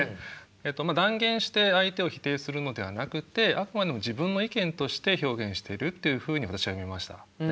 えっと断言して相手を否定するのではなくってあくまでも自分の意見として表現しているというふうに私は見ましたね。